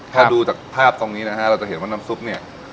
ถ้าดูจากภาพตรงนี้นะฮะเราจะเห็นว่าน้ำซุปเนี่ย